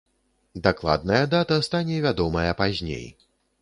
Дакладная дата стане вядомая пазней.